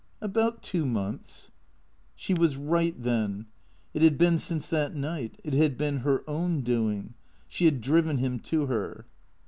" About two months." She was right then. It had been since that night. It had been her own doing. She had driven him to her.